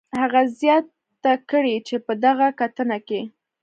هغه زیاته کړې چې په دغه کتنه کې